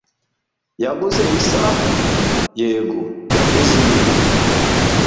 "Yaguze isaha?" "Yego, yaguze imwe."